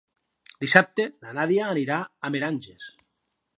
Dissabte na Nàdia anirà a Meranges.